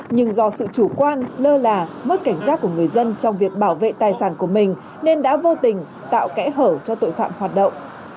nhưng do sự chủ quan lơ là mất cảnh giác của người dân trong việc bảo vệ tài sản của mình nên đã vô tình tạo kẽ hở cho tội phạm hoạt động